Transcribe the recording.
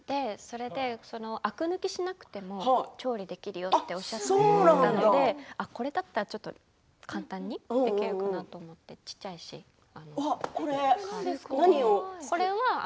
アク抜きしなくても調理できるよっておっしゃっていたのでこれだったら簡単にできるかなと思ってこれは何を作って？